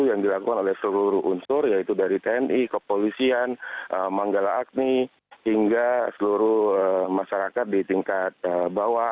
yang dilakukan oleh seluruh unsur yaitu dari tni kepolisian manggala agni hingga seluruh masyarakat di tingkat bawah